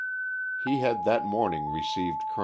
He had that morning received Col.